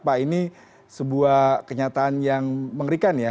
pak ini sebuah kenyataan yang mengerikan ya